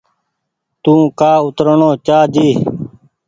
تو ڪآ اوترڻو چآ جي۔